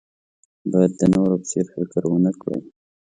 باید د نورو په څېر فکر ونه کړئ.